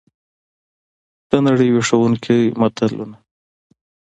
دنړۍ ویښوونکي متلونه!